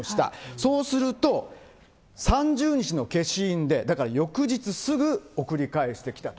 そうすると、３０日の消印で、だから、翌日すぐ送り返してきたと。